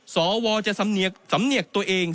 สวจะสำเนียกตัวเอง